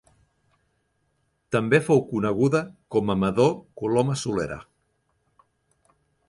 També fou coneguda com a Madò Coloma Solera.